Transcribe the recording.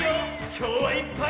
きょうはいっぱい。